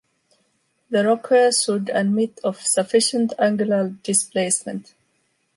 The rockers should admit of sufficient angular displacement.